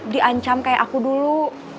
diancam kayak aku dulu